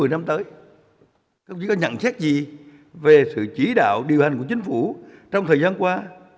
các đồng chí có nhận xét gì về sự chỉ đạo điều hành của chính phủ trong thời gian qua